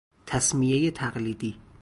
تسمیه تقلیدی